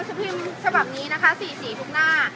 ฉบับนี้นะคะ๔สีทุกหน้า